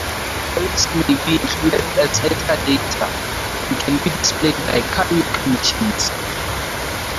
Lyrics may be included as metadata, and can be displayed by karaoke machines.